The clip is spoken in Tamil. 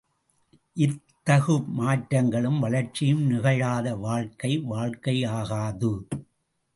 இத்தகு மாற்றங்களும் வளர்ச்சியும் நிகழாத வாழ்க்கை, வாழ்க்கையாகாது.